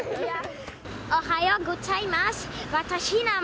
おはようございます。